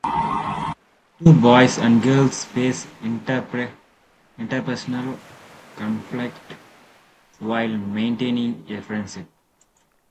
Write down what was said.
The two boys and girls face interpersonal conflict while maintaining their friendship.